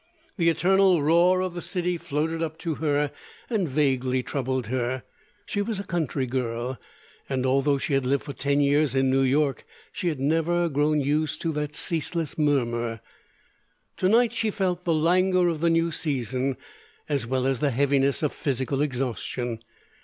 The eternal roar of the city floated up to her and vaguely troubled her. She was a country girl; and although she had lived for ten years in New York, she had never grown used to that ceaseless murmur. To night she felt the languor of the new season, as well as the heaviness of physical exhaustion.